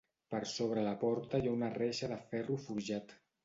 Per sobre la porta hi ha una reixa de ferro forjat.